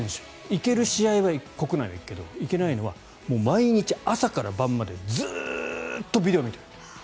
行ける試合は国内は行くけど行けないのは毎日朝から晩までずっとビデオを見ている。